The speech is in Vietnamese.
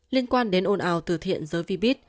liên quan đến ồn ào từ thiện giới vbit